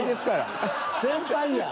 先輩や。